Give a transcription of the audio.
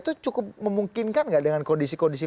itu cukup memungkinkan nggak dengan kondisi kondisi